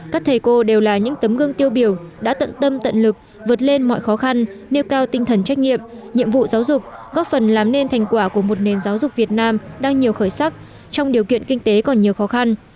các thầy cô đều là những tấm gương tiêu biểu đã tận tâm tận lực vượt lên mọi khó khăn nêu cao tinh thần trách nhiệm nhiệm vụ giáo dục góp phần làm nên thành quả của một nền giáo dục việt nam đang nhiều khởi sắc trong điều kiện kinh tế còn nhiều khó khăn